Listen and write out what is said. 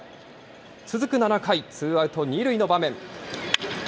続く７回、ツーアウト２塁の場面。